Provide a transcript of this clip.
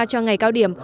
cho ngày cao điểm